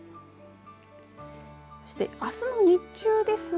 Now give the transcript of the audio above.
そして、あすの日中ですが。